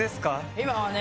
今はね